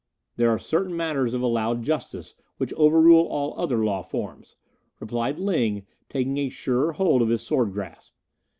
"There are certain matters of allowed justice which over rule all other law forms," replied Ling, taking a surer hold of his sword grasp.